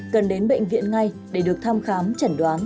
cần đến bệnh viện ngay để được thăm khám chẩn đoán